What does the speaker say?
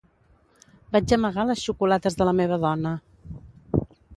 Vaig amagar les xocolates de la meva dona.